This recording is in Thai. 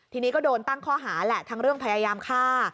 ทีนี้ก็โดนตั้งข้อหาแหละทั้งเรื่องพยายามฆ่า